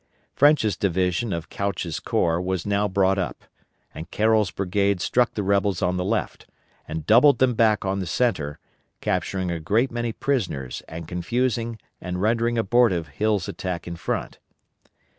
French's division of Couch's corps was now brought up, and Carroll's brigade struck the rebels on the left, and doubled them back on the centre, capturing a great many prisoners and confusing and rendering abortive Hill's attack in front.